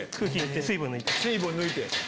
水分抜いて。